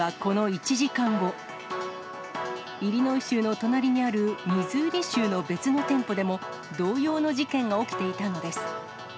イリノイ州の隣にあるミズーリ州の別の店舗でも、同様の事件が起きていたのです。